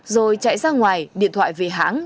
rồi chạy ra ngoài điện thoại về hãng